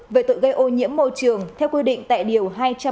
về tội gây ô nhiễm môi trường theo quy định tại điều hai trăm ba mươi năm